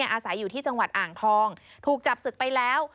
อาศัยอยู่ที่จังหวัดอ่างทองถูกจับศึกไปแล้ว